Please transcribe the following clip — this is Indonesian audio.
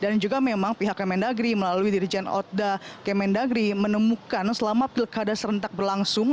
dan juga memang pihak kemendagri melalui dirijen otda kemendagri menemukan selama pilkada serentak berlangsung